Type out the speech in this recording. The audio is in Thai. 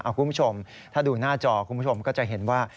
คุณผู้ชมถ้าดูหน้าจอคุณผู้ชมก็จะเห็นว่า